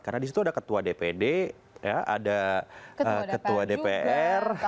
karena di situ ada ketua dpd ada ketua dpr